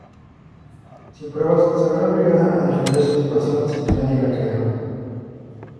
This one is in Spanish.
Sin pruebas, se verá obligada a defender su situación sin que nadie la crea.